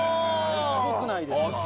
すごくないですか。